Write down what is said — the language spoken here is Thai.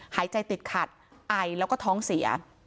หายใจติดขัดไอแล้วก็ท้องเสีย